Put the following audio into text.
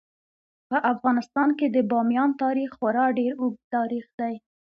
په افغانستان کې د بامیان تاریخ خورا ډیر اوږد تاریخ دی.